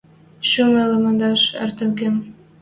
Шӱм йылымаш эртен кен.